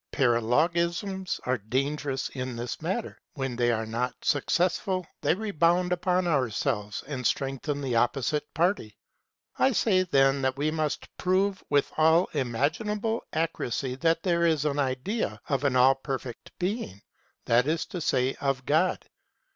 Paralogisms are dangerous in this matter ; when they are not successful they rebound upon ourselves and strengthen the opposite party. I say then that we must prove with all imaginable accuracy that there is an idea of an all perfect being, that is to say of God.